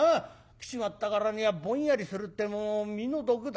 来ちまったからにはぼんやりするってのも身の毒だ。